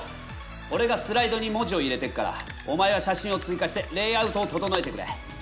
おれがスライドに文字を入れていくからお前は写真を追加してレイアウトを整えてくれ。